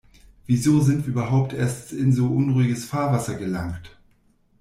Wieso sind wir überhaupt erst in so unruhiges Fahrwasser gelangt?